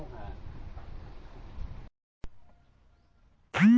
สวัสดีครับ